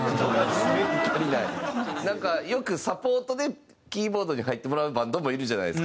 なんかよくサポートでキーボードに入ってもらうバンドもいるじゃないですか。